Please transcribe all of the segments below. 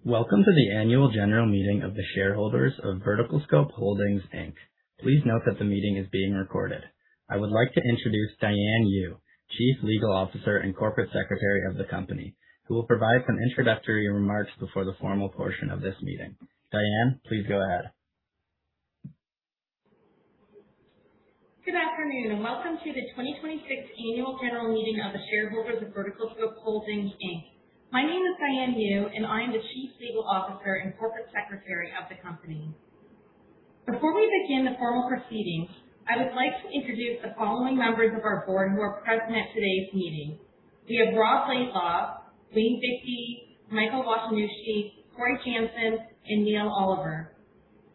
Welcome to the annual general meeting of the shareholders of VerticalScope Holdings Inc. Please note that the meeting is being recorded. I would like to introduce Diane Yu, Chief Legal Officer and Corporate Secretary of the company, who will provide some introductory remarks before the formal portion of this meeting. Diane, please go ahead. Good afternoon, welcome to the 2026 annual general meeting of the shareholders of VerticalScope Holdings Inc. My name is Diane Yu, and I am the Chief Legal Officer and Corporate Secretary of the company. Before we begin the formal proceedings, I would like to introduce the following members of our board who are present at today's meeting. We have Rob Laidlaw, Wayne Bigby, Michael Washinushi, Cory Janssen, and Neil Oliver.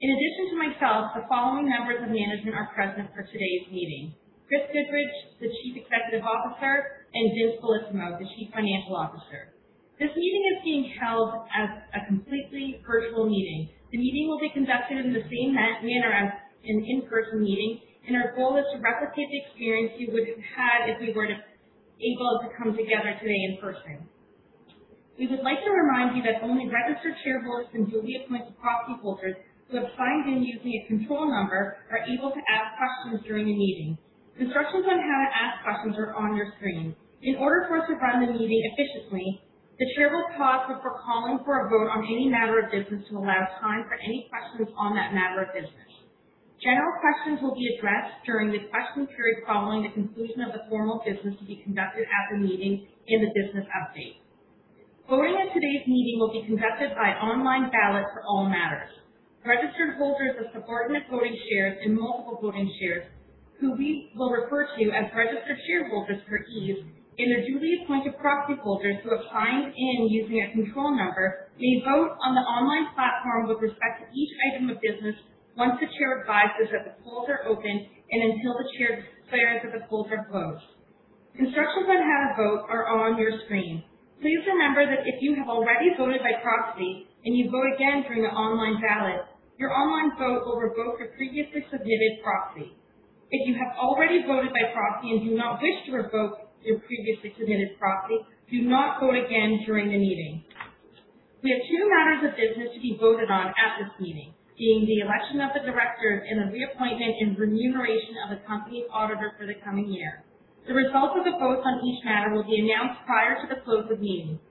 In addition to myself, the following members of management are present for today's meeting. Chris Goodridge, the Chief Executive Officer, and Vince Bellissimo, the Chief Financial Officer. This meeting is being held as a completely virtual meeting. The meeting will be conducted in the same manner as an in-person meeting, our goal is to replicate the experience you would have had if we were able to come together today in person. We would like to remind you that only registered shareholders and duly appointed proxy holders who have signed in using a control number are able to ask questions during the meeting. Instructions on how to ask questions are on your screen. In order for us to run the meeting efficiently, the chair will pause before calling for a vote on any matter of business to allow time for any questions on that matter of business. General questions will be addressed during the question period following the conclusion of the formal business to be conducted at the meeting in the business update. Voting at today's meeting will be conducted by online ballot for all matters. Registered holders of subordinate voting shares and multiple voting shares, who we will refer to as registered shareholders for ease, and the duly appointed proxy holders who have signed in using a control number, may vote on the online platform with respect to each item of business once the chair advises that the polls are open and until the chair declares that the polls are closed. Instructions on how to vote are on your screen. Please remember that if you have already voted by proxy and you vote again during the online ballot, your online vote will revoke your previously submitted proxy. If you have already voted by proxy and do not wish to revoke your previously submitted proxy, do not vote again during the meeting. We have two matters of business to be voted on at this meeting, being the election of the directors and the reappointment and remuneration of the company's auditor for the coming year. The results of the votes on each matter will be announced prior to the close of the meeting.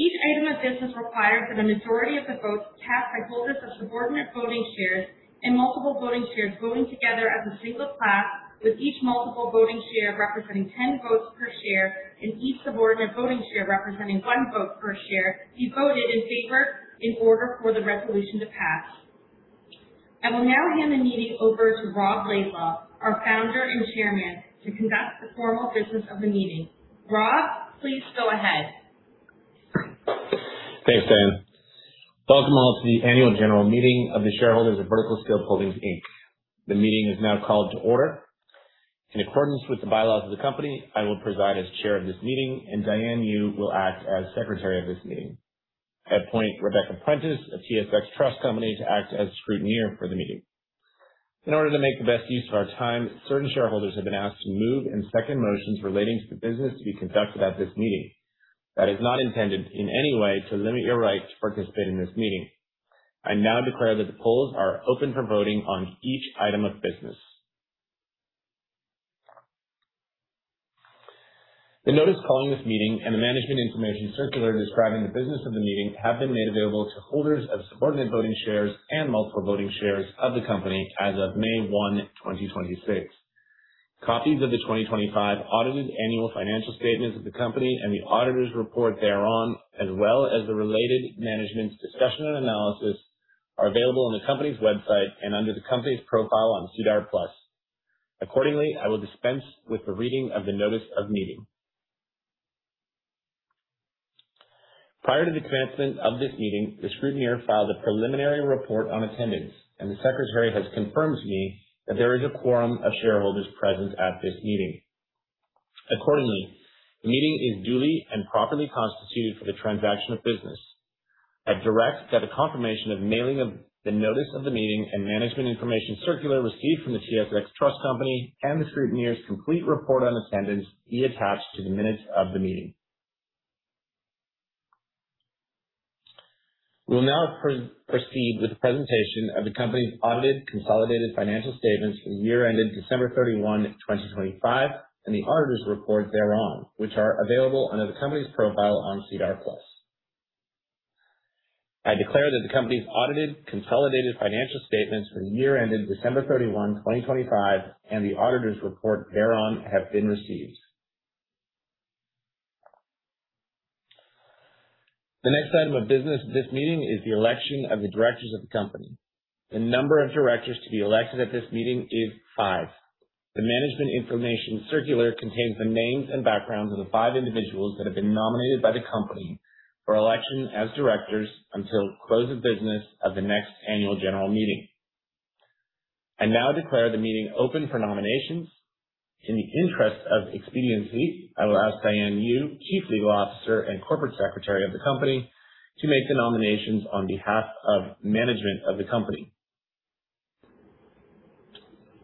Each item of business requires that a majority of the votes cast by holders of subordinate voting shares and multiple voting shares voting together as a single class, with each multiple voting share representing 10 votes per share and each subordinate voting share representing one vote per share, be voted in favor in order for the resolution to pass. I will now hand the meeting over to Rob Laidlaw, our founder and Chairman, to conduct the formal business of the meeting. Rob, please go ahead. Thanks, Diane. Welcome all to the annual general meeting of the shareholders of VerticalScope Holdings Inc. The meeting is now called to order. In accordance with the bylaws of the company, I will preside as Chair of this meeting, and Diane Yu will act as Secretary of this meeting. I appoint Rebecca Prentice of TSX Trust Company to act as scrutineer for the meeting. In order to make the best use of our time, certain shareholders have been asked to move and second motions relating to the business to be conducted at this meeting. That is not intended in any way to limit your right to participate in this meeting. I now declare that the polls are open for voting on each item of business. The notice calling this meeting and the management information circular describing the business of the meeting have been made available to holders of subordinate voting shares and multiple voting shares of the company as of May 1, 2026. Copies of the 2025 audited annual financial statements of the company and the auditor's report thereon, as well as the related management's discussion and analysis, are available on the company's website and under the company's profile on SEDAR+. Accordingly, I will dispense with the reading of the notice of meeting. Prior to the commencement of this meeting, the scrutineer filed a preliminary report on attendance, and the Secretary has confirmed to me that there is a quorum of shareholders present at this meeting. Accordingly, the meeting is duly and properly constituted for the transaction of business. I direct that a confirmation of mailing of the notice of the meeting and management information circular received from the TSX Trust Company and the scrutineer's complete report on attendance be attached to the minutes of the meeting. We will now proceed with the presentation of the company's audited consolidated financial statements for the year ended December 31, 2025, and the auditor's report thereon, which are available under the company's profile on SEDAR+. I declare that the company's audited consolidated financial statements for the year ended December 31, 2025, and the auditor's report thereon have been received. The next item of business at this meeting is the election of the directors of the company. The number of directors to be elected at this meeting is five. The management information circular contains the names and backgrounds of the five individuals that have been nominated by the company for election as directors until close of business of the next annual general meeting. I now declare the meeting open for nominations. In the interest of expediency, I will ask Diane Yu, Chief Legal Officer and Corporate Secretary of the company, to make the nominations on behalf of management of the company.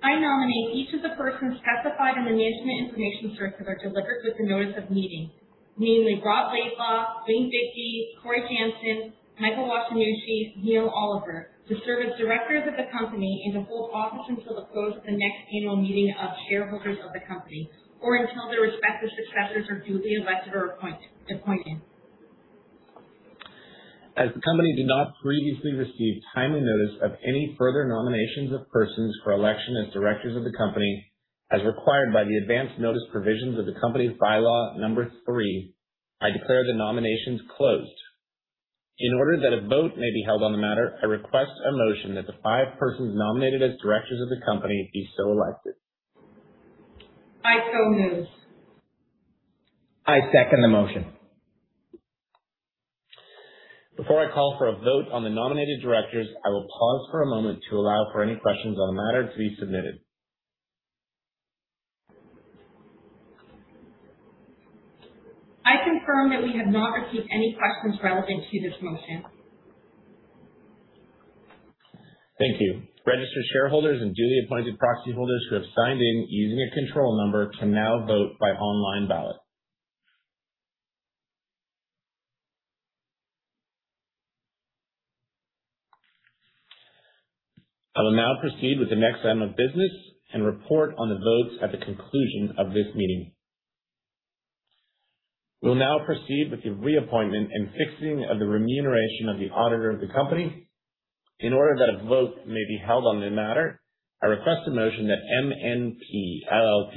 I nominate each of the persons specified in the management information circular delivered with the notice of meeting, namely Rob Laidlaw, Wayne Bigby, Cory Janssen, Michael Washinushi, Neil Oliver, to serve as directors of the company and to hold office until the close of the next annual meeting of shareholders of the company or until their respective successors are duly elected or appointed. As the company did not previously receive timely notice of any further nominations of persons for election as directors of the company, as required by the advance notice provisions of the company's bylaw number three, I declare the nominations closed. In order that a vote may be held on the matter, I request a motion that the five persons nominated as directors of the company be so elected. I so move. I second the motion. Before I call for a vote on the nominated directors, I will pause for a moment to allow for any questions on the matter to be submitted. I confirm that we have not received any questions relevant to this motion. Thank you. Registered shareholders and duly appointed proxy holders who have signed in using a control number can now vote by online ballot. I will now proceed with the next item of business and report on the votes at the conclusion of this meeting. We'll now proceed with the reappointment and fixing of the remuneration of the auditor of the company. In order that a vote may be held on the matter, I request a motion that MNP LLP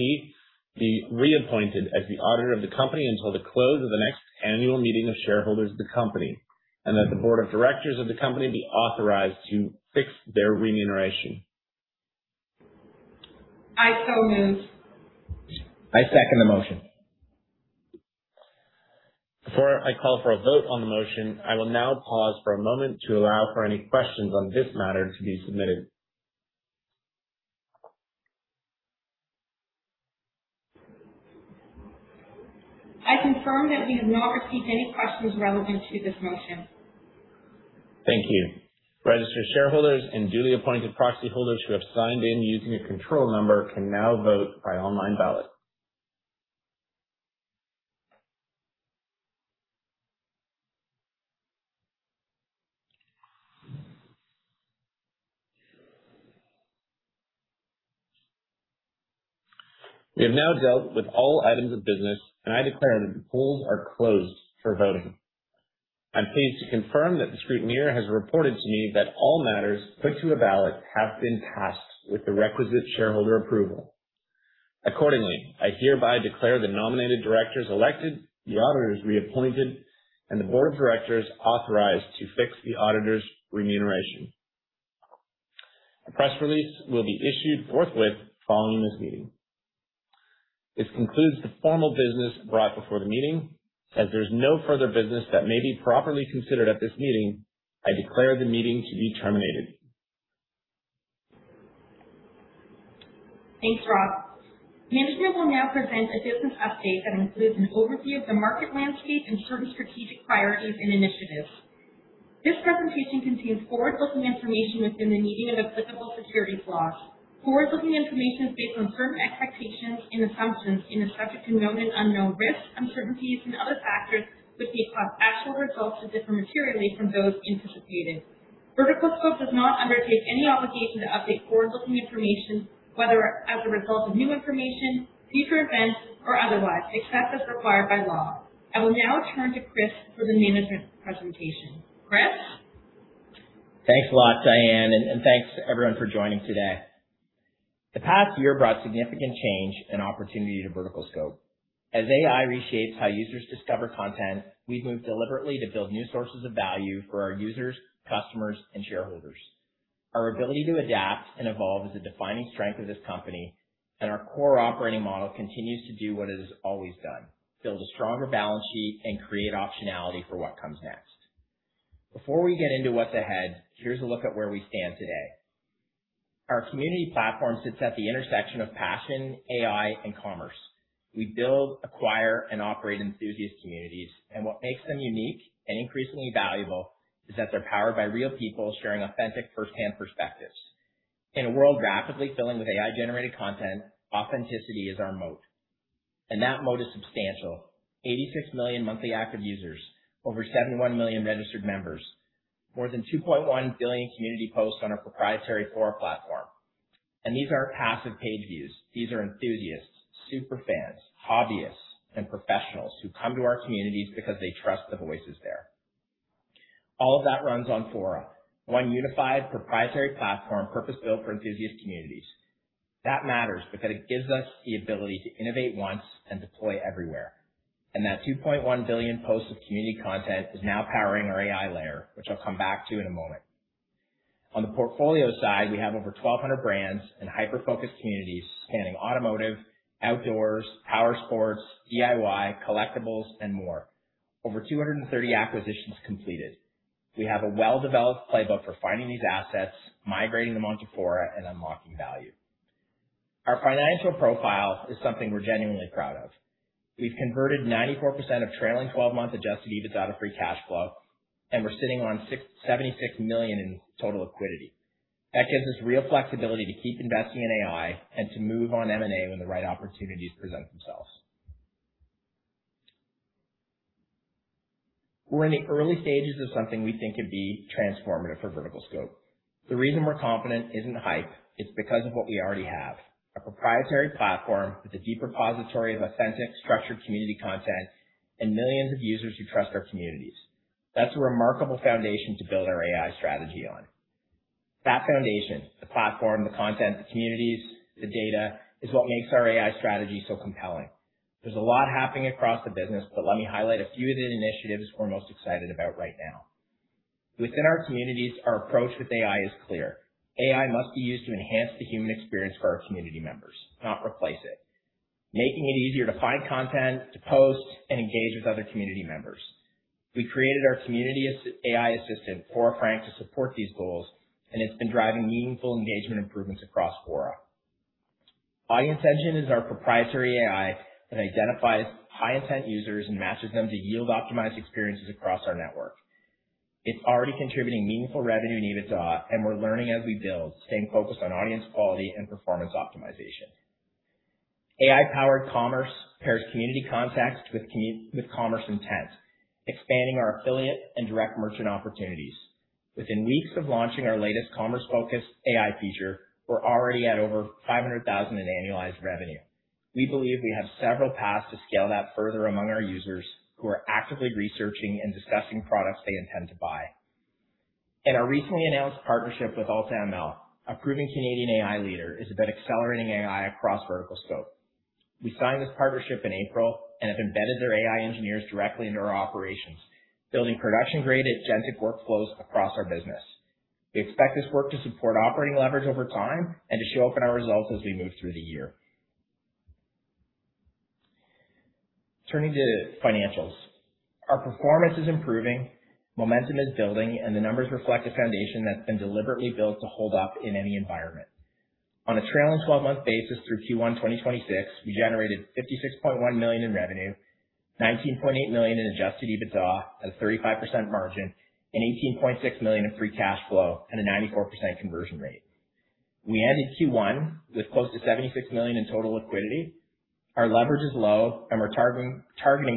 be reappointed as the auditor of the company until the close of the next annual meeting of shareholders of the company, and that the board of directors of the company be authorized to fix their remuneration. I so move. I second the motion. Before I call for a vote on the motion, I will now pause for a moment to allow for any questions on this matter to be submitted. I confirm that we have not received any questions relevant to this motion. Thank you. Registered shareholders and duly appointed proxy holders who have signed in using a control number can now vote by online ballot. We have now dealt with all items of business, and I declare that the polls are closed for voting. I'm pleased to confirm that the scrutineer has reported to me that all matters put to a ballot have been passed with the requisite shareholder approval. Accordingly, I hereby declare the nominated directors elected, the auditors reappointed, and the board of directors authorized to fix the auditors' remuneration. A press release will be issued forthwith following this meeting. This concludes the formal business brought before the meeting. As there's no further business that may be properly considered at this meeting, I declare the meeting to be terminated. Thanks, Rob. Management will now present a business update that includes an overview of the market landscape and certain strategic priorities and initiatives. This presentation contains forward-looking information within the meaning of applicable securities laws. Forward-looking information is based on certain expectations and assumptions and is subject to known and unknown risks, uncertainties and other factors which may cause actual results to differ materially from those anticipated. VerticalScope does not undertake any obligation to update forward-looking information, whether as a result of new information, future events, or otherwise, except as required by law. I will now turn to Chris for the management presentation. Chris? Thanks a lot, Diane, and thanks to everyone for joining today. The past year brought significant change and opportunity to VerticalScope. As AI reshapes how users discover content, we've moved deliberately to build new sources of value for our users, customers, and shareholders. Our ability to adapt and evolve is a defining strength of this company, and our core operating model continues to do what it has always done, build a stronger balance sheet and create optionality for what comes next. Before we get into what's ahead, here's a look at where we stand today. Our community platform sits at the intersection of passion, AI, and commerce. We build, acquire, and operate enthusiast communities, and what makes them unique and increasingly valuable is that they're powered by real people sharing authentic firsthand perspectives. In a world rapidly filling with AI-generated content, authenticity is our moat. That moat is substantial. 86 million monthly active users. Over 71 million registered members. More than 2.1 billion community posts on our proprietary Fora platform. These aren't passive page views. These are enthusiasts, super fans, hobbyists, and professionals who come to our communities because they trust the voices there. All of that runs on Fora, one unified proprietary platform purpose-built for enthusiast communities. That matters because it gives us the ability to innovate once and deploy everywhere. That 2.1 billion posts of community content is now powering our AI layer, which I'll come back to in a moment. On the portfolio side, we have over 1,200 brands and hyper-focused communities spanning automotive, outdoors, powersports, DIY, collectibles, and more. Over 230 acquisitions completed. We have a well-developed playbook for finding these assets, migrating them onto Fora, and unlocking value. Our financial profile is something we're genuinely proud of. We've converted 94% of trailing 12-month adjusted EBITDA free cash flow, and we're sitting on 76 million in total liquidity. That gives us real flexibility to keep investing in AI and to move on M&A when the right opportunities present themselves. We're in the early stages of something we think could be transformative for VerticalScope. The reason we're confident isn't hype, it's because of what we already have. A proprietary platform with a deep repository of authentic, structured community content and millions of users who trust our communities. That's a remarkable foundation to build our AI strategy on. That foundation, the platform, the content, the communities, the data, is what makes our AI strategy so compelling. There's a lot happening across the business. Let me highlight a few of the initiatives we're most excited about right now. Within our communities, our approach with AI is clear. AI must be used to enhance the human experience for our community members, not replace it. Making it easier to find content, to post, and engage with other community members. We created our community AI assistant, Fora Frank, to support these goals. It's been driving meaningful engagement improvements across Fora. Audience Engine is our proprietary AI that identifies high-intent users and matches them to yield optimized experiences across our network. It's already contributing meaningful revenue and EBITDA. We're learning as we build, staying focused on audience quality and performance optimization. AI-powered commerce pairs community context with commerce intent, expanding our affiliate and direct merchant opportunities. Within weeks of launching our latest commerce-focused AI feature, we're already at over 500,000 in annualized revenue. We believe we have several paths to scale that further among our users who are actively researching and discussing products they intend to buy. Our recently announced partnership with AltaML, a proven Canadian AI leader, is about accelerating AI across VerticalScope. We signed this partnership in April. We have embedded their AI engineers directly into our operations, building production-grade agentic workflows across our business. We expect this work to support operating leverage over time to show up in our results as we move through the year. Turning to financials. Our performance is improving, momentum is building. The numbers reflect a foundation that's been deliberately built to hold up in any environment. On a trailing 12-month basis through Q1 2026, we generated 56.1 million in revenue, 19.8 million in adjusted EBITDA at a 35% margin, and 18.6 million in free cash flow and a 94% conversion rate. We ended Q1 with close to 76 million in total liquidity. Our leverage is low. We're targeting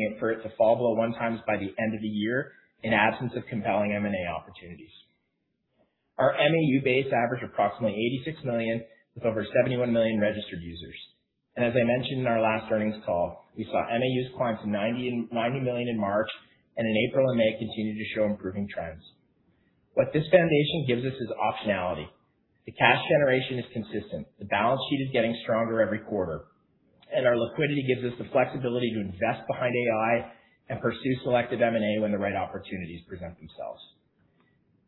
it for it to fall below one times by the end of the year in absence of compelling M&A opportunities. Our MAU base averaged approximately 86 million with over 71 million registered users. As I mentioned in our last earnings call, we saw MAUs climb to 90 million in March, and in April and May continued to show improving trends. What this foundation gives us is optionality. The cash generation is consistent. The balance sheet is getting stronger every quarter. Our liquidity gives us the flexibility to invest behind AI and pursue selective M&A when the right opportunities present themselves.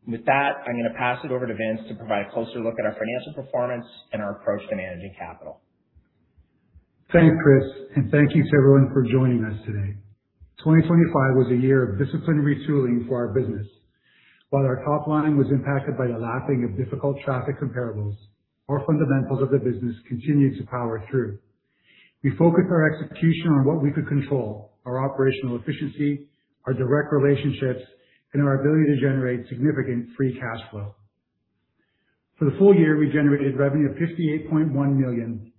With that, I'm going to pass it over to Vince to provide a closer look at our financial performance and our approach to managing capital. Thanks, Chris, and thank you to everyone for joining us today. 2025 was a year of disciplined retooling for our business. While our top line was impacted by the lapping of difficult traffic comparables, our fundamentals of the business continued to power through. We focused our execution on what we could control: our operational efficiency, our direct relationships, and our ability to generate significant free cash flow. For the full year, we generated revenue of 58.1 million,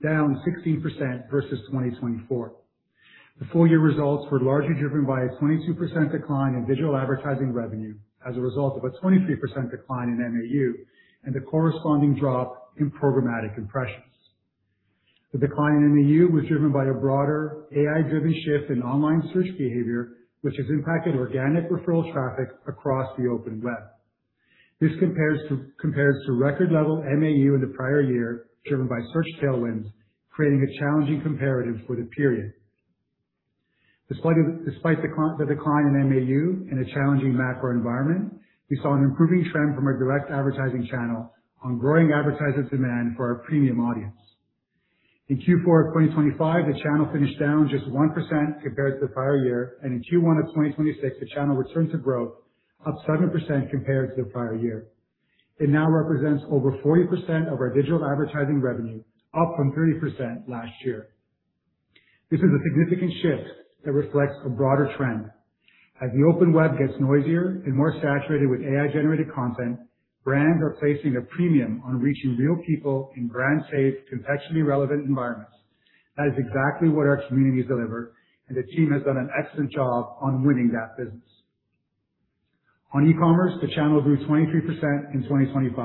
down 16% versus 2024. The full year results were largely driven by a 22% decline in digital advertising revenue as a result of a 23% decline in MAU and the corresponding drop in programmatic impressions. The decline in MAU was driven by a broader AI-driven shift in online search behavior, which has impacted organic referral traffic across the open web. This compares to record level MAU in the prior year, driven by search tailwinds, creating a challenging comparative for the period. Despite the decline in MAU and a challenging macro environment, we saw an improving trend from our direct advertising channel on growing advertiser demand for our premium audience. In Q4 of 2025, the channel finished down just 1% compared to the prior year, and in Q1 of 2026, the channel returned to growth, up 7% compared to the prior year. It now represents over 40% of our digital advertising revenue, up from 30% last year. This is a significant shift that reflects a broader trend. As the open web gets noisier and more saturated with AI-generated content, brands are placing a premium on reaching real people in brand-safe, contextually relevant environments. That is exactly what our communities deliver, and the team has done an excellent job on winning that business. On e-commerce, the channel grew 23% in 2025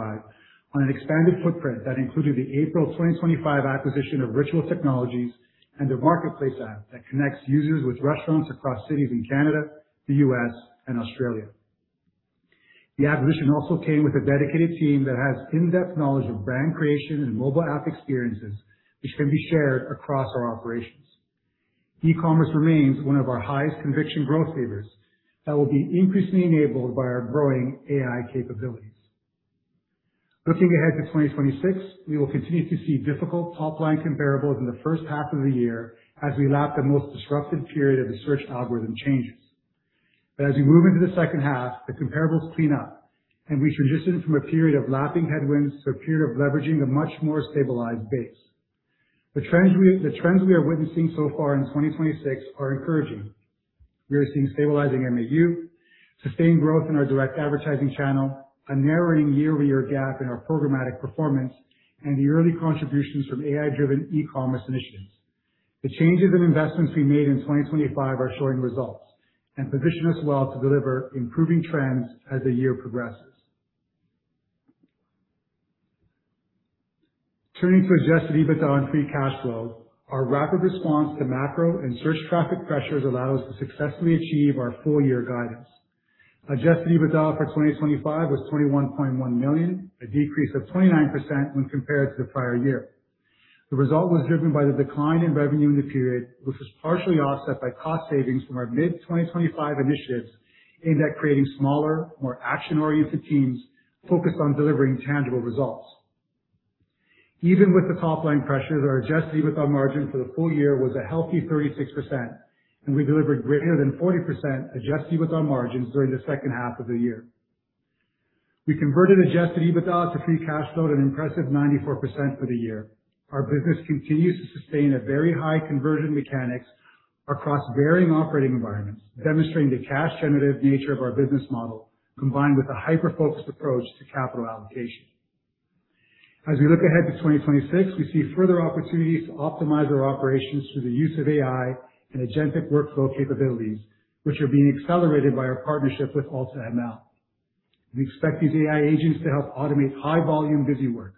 on an expanded footprint that included the April 2025 acquisition of Ritual Technologies Inc. and a marketplace app that connects users with restaurants across cities in Canada, the U.S., and Australia. The acquisition also came with a dedicated team that has in-depth knowledge of brand creation and mobile app experiences, which can be shared across our operations. E-commerce remains one of our highest conviction growth levers that will be increasingly enabled by our growing AI capabilities. Looking ahead to 2026, we will continue to see difficult top-line comparables in the first half of the year as we lap the most disruptive period of the search algorithm changes. As we move into the second half, the comparables clean up and we transition from a period of lapping headwinds to a period of leveraging a much more stabilized base. The trends we are witnessing so far in 2026 are encouraging. We are seeing stabilizing MAU, sustained growth in our direct advertising channel, a narrowing year-over-year gap in our programmatic performance, and the early contributions from AI-driven e-commerce initiatives. The changes in investments we made in 2025 are showing results and position us well to deliver improving trends as the year progresses. Turning to adjusted EBITDA and free cash flow, our rapid response to macro and search traffic pressures allow us to successfully achieve our full year guidance. Adjusted EBITDA for 2025 was 21.1 million, a decrease of 29% when compared to the prior year. The result was driven by the decline in revenue in the period, which was partially offset by cost savings from our mid-2025 initiatives aimed at creating smaller, more action-oriented teams focused on delivering tangible results. Even with the top-line pressures, our adjusted EBITDA margin for the full year was a healthy 36%, and we delivered greater than 40% adjusted EBITDA margins during the second half of the year. We converted adjusted EBITDA to free cash flow at an impressive 94% for the year. Our business continues to sustain a very high conversion mechanics across varying operating environments, demonstrating the cash generative nature of our business model, combined with a hyper-focused approach to capital allocation. As we look ahead to 2026, we see further opportunities to optimize our operations through the use of AI and agentic workflow capabilities, which are being accelerated by our partnership with AltaML. We expect these AI agents to help automate high volume busy work,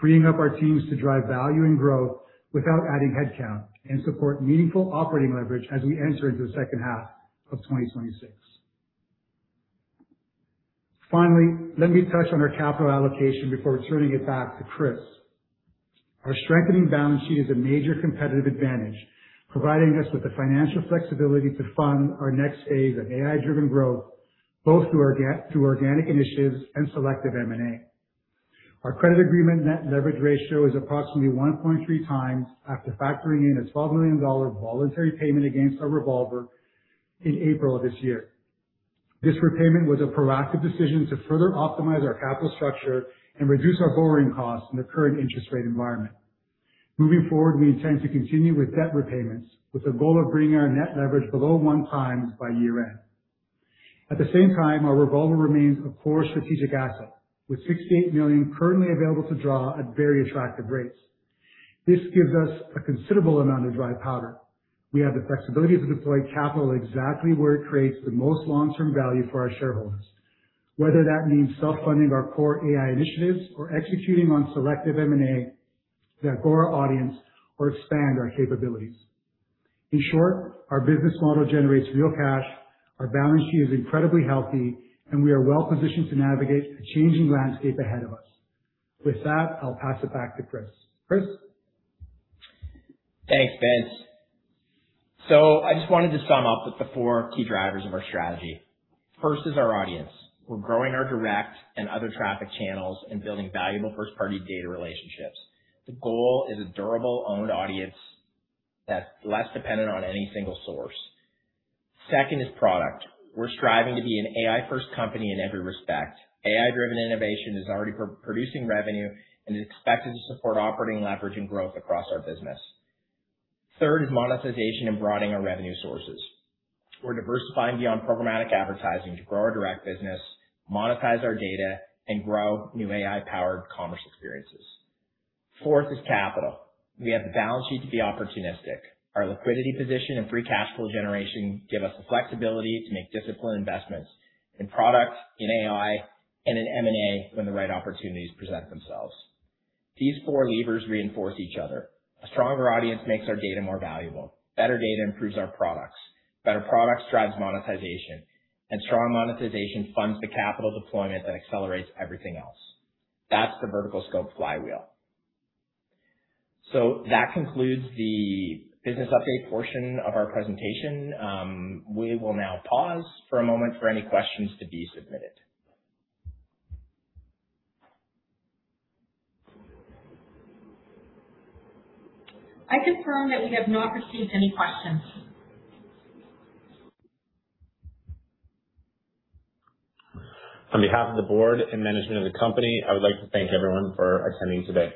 freeing up our teams to drive value and growth without adding headcount, and support meaningful operating leverage as we enter into the second half of 2026. Finally, let me touch on our capital allocation before returning it back to Chris. Our strengthening balance sheet is a major competitive advantage, providing us with the financial flexibility to fund our next phase of AI-driven growth, both through organic initiatives and selective M&A. Our credit agreement net leverage ratio is approximately 1.3 times after factoring in a 12 million dollar voluntary payment against our revolver in April of this year. This repayment was a proactive decision to further optimize our capital structure and reduce our borrowing costs in the current interest rate environment. Moving forward, we intend to continue with debt repayments with the goal of bringing our net leverage below one times by year-end. At the same time, our revolver remains a core strategic asset with 68 million currently available to draw at very attractive rates. This gives us a considerable amount of dry powder. We have the flexibility to deploy capital exactly where it creates the most long-term value for our shareholders. Whether that means self-funding our core AI initiatives or executing on selective M&A that grow our audience or expand our capabilities. In short, our business model generates real cash, our balance sheet is incredibly healthy, and we are well-positioned to navigate the changing landscape ahead of us. With that, I'll pass it back to Chris. Chris? Thanks, Vince. I just wanted to sum up with the four key drivers of our strategy. First is our audience. We're growing our direct and other traffic channels and building valuable first-party data relationships. The goal is a durable owned audience that's less dependent on any single source. Second is product. We're striving to be an AI-first company in every respect. AI-driven innovation is already producing revenue and is expected to support operating leverage and growth across our business. Third is monetization and broadening our revenue sources. We're diversifying beyond programmatic advertising to grow our direct business, monetize our data, and grow new AI-powered commerce experiences. Fourth is capital. We have the balance sheet to be opportunistic. Our liquidity position and free cash flow generation give us the flexibility to make disciplined investments in product, in AI, and in M&A when the right opportunities present themselves. These four levers reinforce each other. A stronger audience makes our data more valuable. Better data improves our products. Better products drives monetization. Strong monetization funds the capital deployment that accelerates everything else. That's the VerticalScope flywheel. That concludes the business update portion of our presentation. We will now pause for a moment for any questions to be submitted. I confirm that we have not received any questions. On behalf of the board and management of the company, I would like to thank everyone for attending today.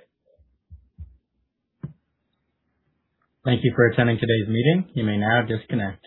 Thank you for attending today's meeting. You may now disconnect.